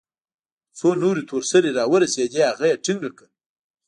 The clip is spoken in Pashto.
څو نورې تور سرې راورسېدې هغه يې ټينګه كړه.